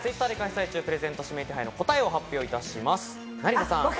Ｔｗｉｔｔｅｒで開催中、プレゼント指名手配の答えを発表いたします。